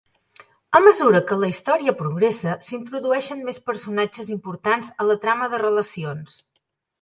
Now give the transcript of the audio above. A mesura que la història progressa, s'introdueixen més personatges importants a la trama de relacions.